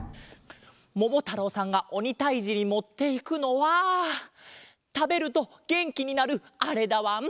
ももたろうさんがおにたいじにもっていくのはたべるとげんきになるあれだわん。